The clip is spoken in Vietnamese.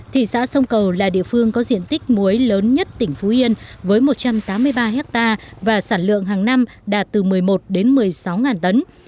thị xã sông cầu là địa phương có diện tích muối lớn nhất tỉnh phú yên với một trăm tám mươi ba hectare và sản lượng hàng năm đạt từ một mươi một đến một mươi sáu tấn